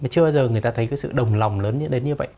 chưa bao giờ người ta thấy sự đồng lòng lớn đến như vậy